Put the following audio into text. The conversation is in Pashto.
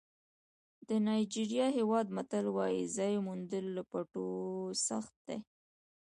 د نایجېریا هېواد متل وایي ځای موندل له پټولو سخت دي.